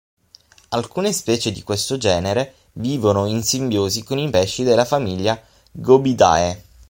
Alcune specie di questo genere vivono in simbiosi con i pesci della famiglia Gobiidae.